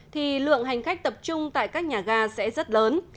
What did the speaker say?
thì lượng hành khách tập trung tại các nhà ga sẽ rất lớn